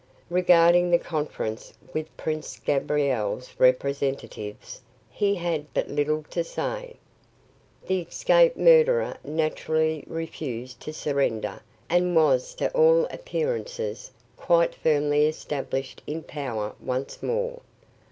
Regarding the conference with Prince Gabriel's representatives, he had but little to say. The escaped murderer naturally refused to surrender and was to all appearances quite firmly established in power once more.